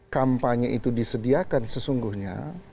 kampanye itu disediakan sesungguhnya